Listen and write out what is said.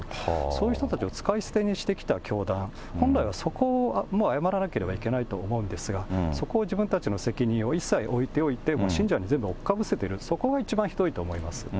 そういう人たちを使い捨てにしてきた教団、本来はそこを謝らなければいけないと思うんですが、そこを、自分たちの責任を一切置いておいて、信者に全部おっかぶせてる、そこが一番ひどいと思います。